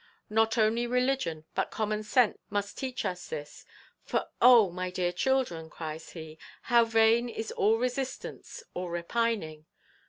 Not only religion, but common sense, must teach us this; for oh! my dear children,' cries he, 'how vain is all resistance, all repining!